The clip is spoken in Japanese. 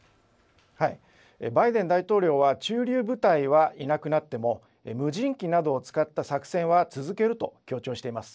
バイデン大統領は駐留部隊はいなくなっても無人機などを使った作戦は続けると強調しています。